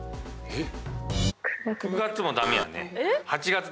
えっ⁉